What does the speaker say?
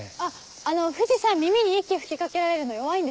あの藤さん耳に息吹き掛けられるの弱いんです。